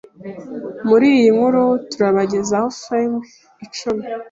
Muri iyi nkuru, turabagezaho filimi icumi